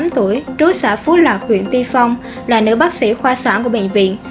ba mươi tám tuổi trú xã phú lạc huyện ti phong là nữ bác sĩ khoa sản của bệnh viện